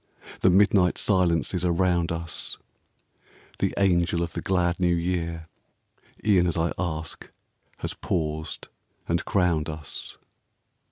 The midnight silences are round us ; The Angel of the glad New Year E'en as I ask has paused and crowned us.